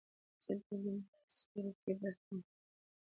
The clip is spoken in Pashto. څه دي د بل سيوري کې، بس د مختورۍ منل